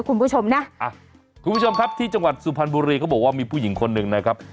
คุณผู้ชมนะอ่ะคุณผู้ชมครับที่จังหวัดสุพรรณบุรีเขาบอกว่ามีผู้หญิงคนหนึ่งนะครับ